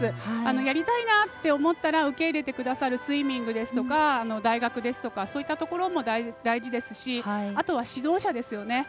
やりたいなと思っても受け入れてくださるスイミングですとか大学ですとかそういったところも大事ですしあとは指導者ですよね。